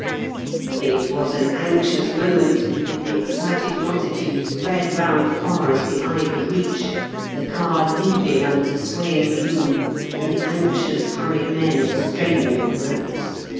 It was an anxious moment, with the excited multitude spread round far as the eye could reach, the car leaping under the swaying balloon, and the anxious, hurried men straining at the ropes.